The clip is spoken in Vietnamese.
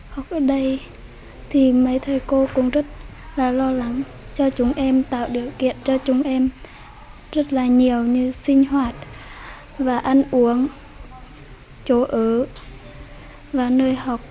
học ở đây thì mấy thầy cô cũng rất là lo lắng cho chúng em tạo điều kiện cho chúng em rất là nhiều như sinh hoạt và ăn uống chỗ ở và nơi học